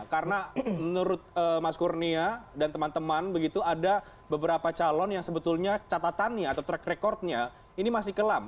karena menurut mas kurnia dan teman teman begitu ada beberapa calon yang sebetulnya catatannya atau track recordnya ini masih kelam